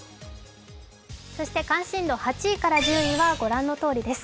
そして関心度８位から１０位はご覧のとおりです。